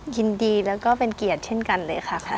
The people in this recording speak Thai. ยินดีแล้วก็เป็นเกียรติเช่นกันเลยค่ะ